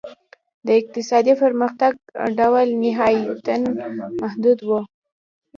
د اقتصادي پرمختګ ډول نهایتاً محدود و.